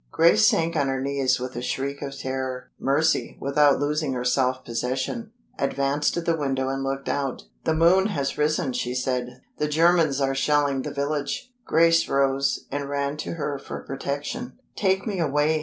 Grace sank on her knees with a shriek of terror. Mercy, without losing her self possession, advanced to the window and looked out. "The moon has risen," she said. "The Germans are shelling the village." Grace rose, and ran to her for protection. "Take me away!"